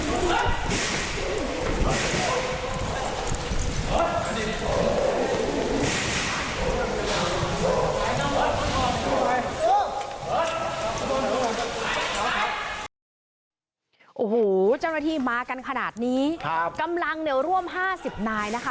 โอ้โหเจ้าหน้าที่มากันขนาดนี้กำลังเนี่ยร่วม๕๐นายนะคะ